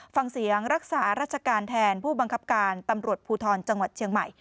ฟังเสียงรักษาราชการแทนผู้บังคับการตำรวจภูทรจังหวัดเชียงใหม่